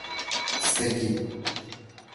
素敵